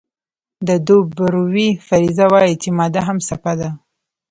د دوبروی فرضیه وایي چې ماده هم څپه ده.